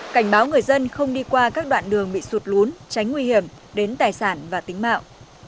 cảnh báo người dân không đi qua các đoạn đường bị sụt lún tránh nguy hiểm đến tài sản và tính mạng